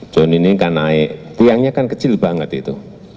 john ini kan naik tiangnya kan kecil banget itu